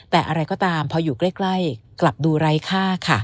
แต่อะไรก็ตามพออยู่ใกล้กลับดูไร้ค่าค่ะ